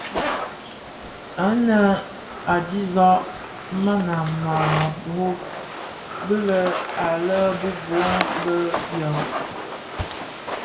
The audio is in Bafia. Ànë a disag man a màa rôb bi lë à lëê bi bôn bë biàg.